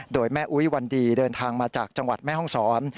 โดยแม่อุ๊ยวันดีเดินทางมาจากจังหวัดแม่ห้องศร